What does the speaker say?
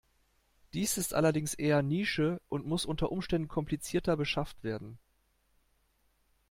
Die ist allerdings eher Nische und muss unter Umständen komplizierter beschafft werden.